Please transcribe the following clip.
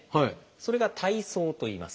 それが「大棗」といいます。